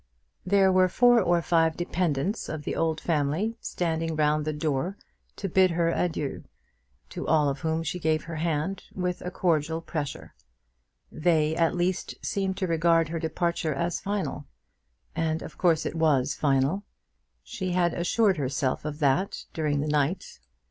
There were four or five old dependents of the family standing round the door to bid her adieu, to all of whom she gave her hand with a cordial pressure. They, at least, seemed to regard her departure as final. And of course it was final. She had assured herself of that during the night.